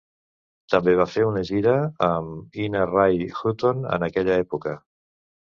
També va fer una gira amb Ina Ray Hutton en aquella època.